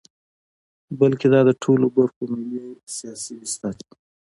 بلکې دا د ټولو برخو ملي سیاسي بستر دی.